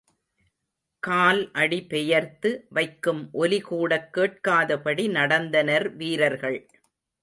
கால் அடி பெயர்த்து வைக்கும் ஒலிகூடக் கேட்காதபடி நடந்தனர் வீரர்கள்.